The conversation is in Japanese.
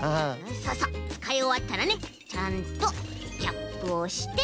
そうそうつかいおわったらねちゃんとキャップをして。